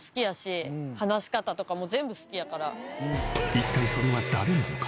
一体それは誰なのか？